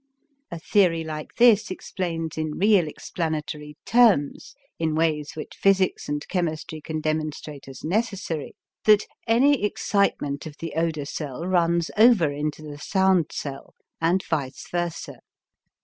A theory like this explains in real explanatory terms, in ways which physics and chemistry can demonstrate as necessary, that any excitement of the odor cell runs over into the sound cell and vice versa.